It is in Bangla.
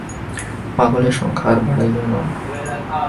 পাগলের সংখ্যা আর বাড়াইও না।